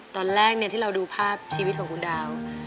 ตอนแรกที่เราดูภาพชีวิตของคุณดาว